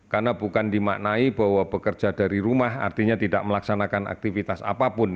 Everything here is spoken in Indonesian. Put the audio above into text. karena bukan dimaknai bahwa bekerja dari rumah artinya tidak melaksanakan aktivitas apapun